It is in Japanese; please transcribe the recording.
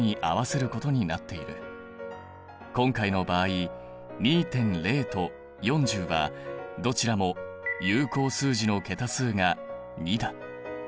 今回の場合２．０と４０はどちらも有効数字の桁数が２だ。